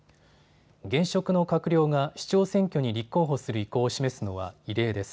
現職の閣僚が市長選挙に立候補する意向を示すのは異例です。